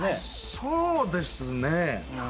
そうですね